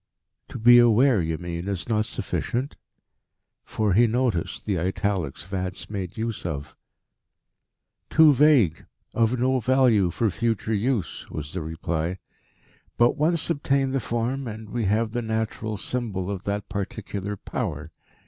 "To be aware, you mean, is not sufficient?" For he noticed the italics Vance made use of. "Too vague, of no value for future use," was the reply. "But once obtain the form, and we have the natural symbol of that particular Power.